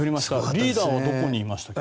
リーダーはどこにいましたか。